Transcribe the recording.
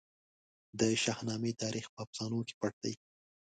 د شاهنامې تاریخ په افسانو کې پټ دی.